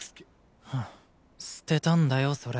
はぁ捨てたんだよそれ。